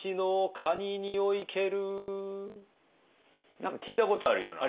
何か聞いたことあるような。